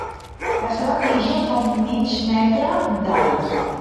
La seva tija fa un mig metre d'alt.